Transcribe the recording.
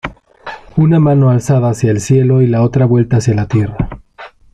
Una mano alzada hacia el cielo y la otra vuelta hacia la tierra.